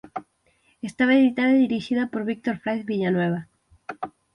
Estaba editada e dirixida por Víctor Fraiz Villanueva.